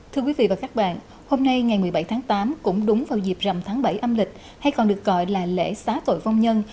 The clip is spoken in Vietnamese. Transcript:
thưa quý vị và các bạn hôm nay ngày một mươi bảy tháng tám cũng đúng vào dịp rằm tháng bảy âm lịch hay còn được gọi là lễ xá tội vong nhân